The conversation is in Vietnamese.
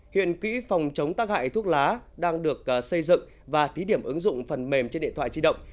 hiện quỹ phòng chống tác hại thuốc lá đang được xây dựng và thí điểm ứng dụng phần mềm trên điện thoại di động